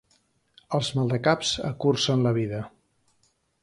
Els maldecaps acurcen la vida.